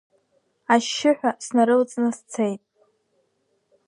Ашьшьыҳәа снарылҵны сцеит.